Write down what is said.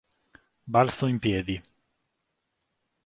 Balzo in piedi.